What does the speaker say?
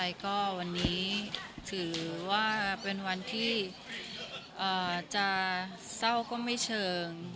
แล้วก็วันนี้ถือว่าเป็นวันที่จะเศร้าก็ไม่เชิง